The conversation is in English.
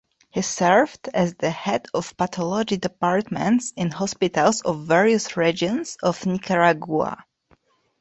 He served as head of pathology departments in hospitals of various regions of Nicaragua.